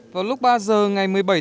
vào lúc ba giờ ngày một mươi bảy